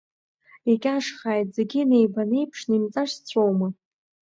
Икьашхааит зегьы неибанеиԥшны, имҵарсцәоума?